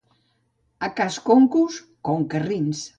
A cas Concos, concarrins.